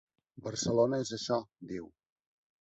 Barcelona és això, diu.